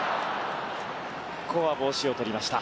ここは帽子を取りました。